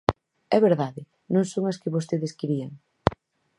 É verdade, non son as que vostedes querían.